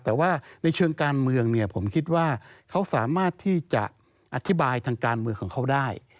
แต่ว่าในเชิงการเมืองเนี่ยผมคิดว่าเขาสามารถที่จะอธิบายทางการเมืองของเขาได้